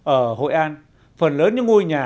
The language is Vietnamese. ở hội an phần lớn những ngôi nhà